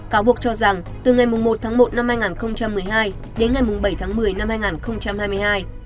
cáo buộc cho rằng từ ngày một một hai nghìn một mươi hai đến ngày bảy một mươi hai nghìn hai mươi hai